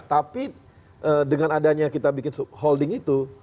tapi dengan adanya kita bikin holding itu